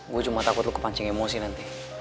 gue cuma takut lu kepancing emosi nanti